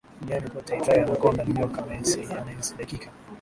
duniani kote aitwaye Anacconda ni nyoka anayesadikika